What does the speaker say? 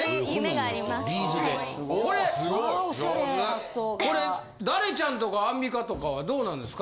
・これすごい・・上手・これダレちゃんとかアンミカとかはどうなんですか。